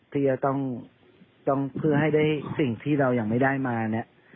ที่จะต้องเพื่อให้ได้สิ่งที่เรายังไม่ได้มาเนี่ย